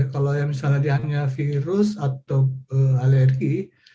kalau misalnya dianggap virus atau alergi